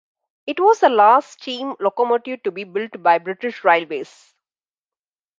It was the last steam locomotive to be built by British Railways.